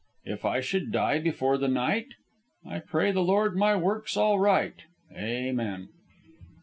If I should die before the night, I pray the Lord my work's all right. Amen."